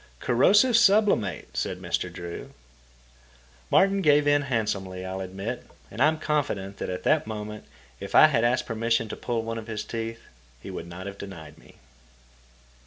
"Corrosive sublimate," said Mr. Drew. Martin gave in handsomely, I'll admit, and I am confident that at that moment, if I had asked permission to pull one of his teeth, he would not have denied me.